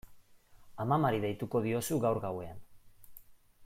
Amamari deituko diozu gaur gauean.